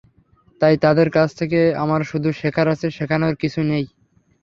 তাই তাঁদের কাছ থেকে আমার শুধু শেখার আছে, শেখানোর কিছু নেই।